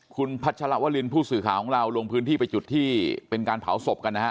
คุณพัชรวรินผู้สื่อข่าวของเราลงพื้นที่ไปจุดที่เป็นการเผาศพกันนะฮะ